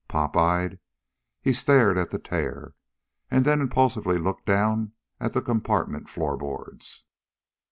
Pop eyed, he stared at the tear, and then impulsively looked down at the compartment floor boards.